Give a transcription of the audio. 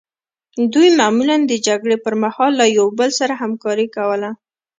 دوی معمولا د جګړې پرمهال له یو بل سره همکاري کوله.